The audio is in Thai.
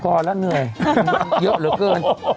พอแล้วเหนื่อยเยอะเหลือเกิน